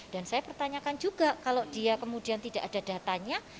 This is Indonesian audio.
dan saya pertanyakan juga kalau dia kemudian tidak ada datanya